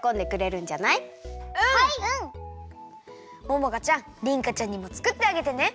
ももかちゃんりんかちゃんにもつくってあげてね！